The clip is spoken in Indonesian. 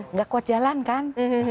nggak kuat jalan kan